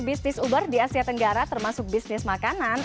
bisnis uber di asia tenggara termasuk bisnis makanan